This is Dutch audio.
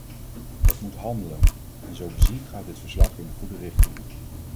Het moet handelen, en zo bezien gaat dit verslag in de goede richting.